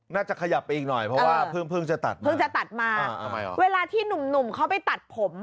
น่าจะขยับไปอีกหน่อยเพราะว่าเพิ่งจะตัดมาเวลาที่หนุ่มเขาไปตัดผม